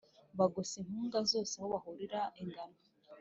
bagose imbuga zose aho bahurira ingano